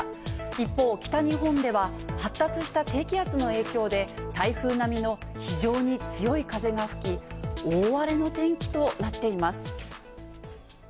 一方、北日本では発達した低気圧の影響で、台風並みの非常に強い風が吹き、大荒れの天気となっています。